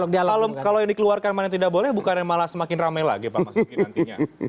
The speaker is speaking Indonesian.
kalau yang dikeluarkan mana yang tidak boleh bukan yang malah semakin ramai lagi pak mas uki nantinya